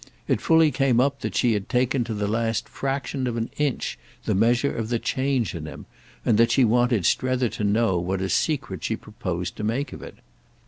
It fully came up that she had taken to the last fraction of an inch the measure of the change in him, and that she wanted Strether to know what a secret she proposed to make of it.